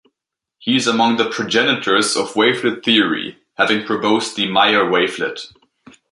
He is among the progenitors of wavelet theory, having proposed the Meyer wavelet.